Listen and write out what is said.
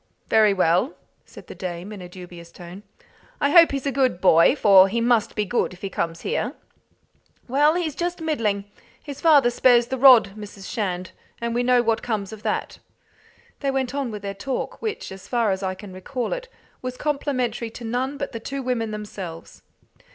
Very well," said the dame, in a dubious tone. "I hope he's a good boy, for he must be good if he comes here." "Well, he's just middling. His father spares the rod, Mrs. Shand, and we know what comes of that." They went on with their talk, which, as far as I can recall it, was complimentary to none but the two women themselves.